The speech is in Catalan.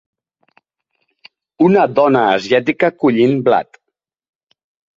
Un dona asiàtica collint blat.